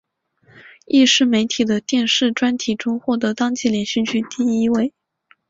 亦于媒体的电视专题中获得当季连续剧第一位。